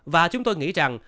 và chúng tôi nghĩ rằng